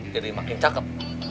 jadi makin cakep